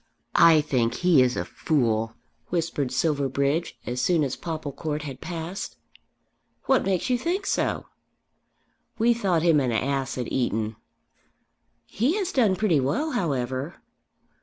"I think he is a fool," whispered Silverbridge as soon as Popplecourt had passed. "What makes you think so?" "We thought him an ass at Eton." "He has done pretty well, however."